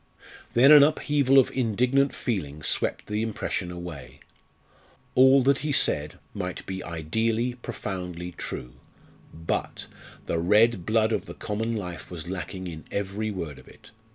Then an upheaval of indignant feeling swept the impression away. All that he said might be ideally, profoundly true but the red blood of the common life was lacking in every word of it!